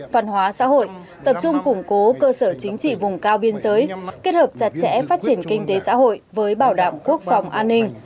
văn hóa xã hội tập trung củng cố cơ sở chính trị vùng cao biên giới kết hợp chặt chẽ phát triển kinh tế xã hội với bảo đảm quốc phòng an ninh